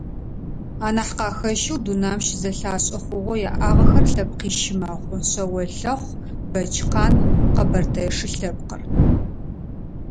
Анахь къахэщэу, дунаим щызэлъашӏэ хъугъэу яӏагъэхэр лъэпкъищ мэхъу: шъэолъэхъу, бэчкъан, къэбэртэе шы лъэпкъыр.